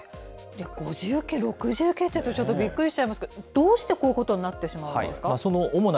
５次請け、６次請けっていうと、ちょっとびっくりしちゃいますけど、どうしてこういうことになってしまうわけですか？